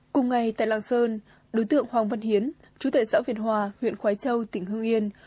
cùng ngày tại lạng sơn đối tượng hoàng văn hiến chú tệ xã việt hòa huyện khói châu tỉnh hương yên